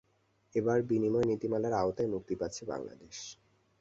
এবার বিনিময় নীতিমালার আওতায় মুক্তি পাচ্ছে বাংলাদেশে।